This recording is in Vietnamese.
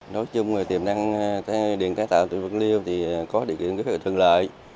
nói chung tiềm năng điện thái tạo của bạc liêu thì có địa kiện rất là thường lợi